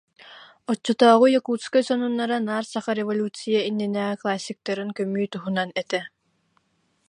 Оччотооҕу Якутскай сонуна наар саха революция иннинээҕи классиктарын көмүү туһунан этэ.